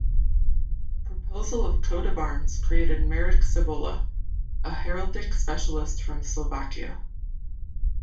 The proposal of coat of arms created Marek Sobola, a heraldic specialist from Slovakia.